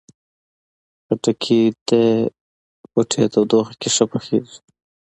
خټکی د کوټې تودوخې کې ښه پخیږي.